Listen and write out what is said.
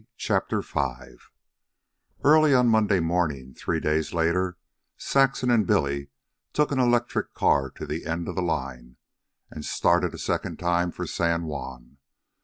CHAPTER V Early on Monday morning, three days later, Saxon and Billy took an electric car to the end of the line, and started a second time for San Juan.